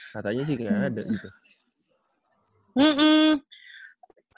katanya sih gak ada